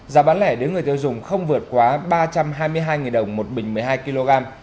giá bán lẻ đến người tiêu dùng không vượt quá ba trăm hai mươi hai đồng một bình một mươi hai kg